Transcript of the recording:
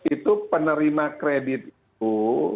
itu penerima kredit itu